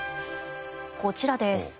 こちらです。